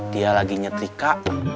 dia lagi nyetrika